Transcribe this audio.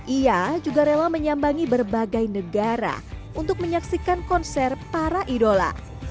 ia juga rela menyambangi berbagai negara untuk menyaksikan konser para idola